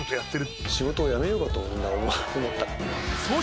かとみんな思った。